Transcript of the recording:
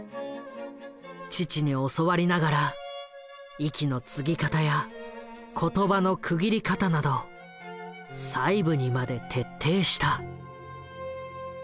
父に教わりながら息の継ぎ方や言葉のくぎり方など細部にまで徹底した。